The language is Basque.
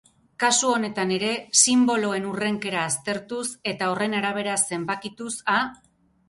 Kasu honetan ere sinboloen hurrenkera aztertuz, eta horren arabera zenbakituz, a?